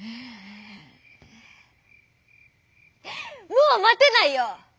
「もうまてないよ！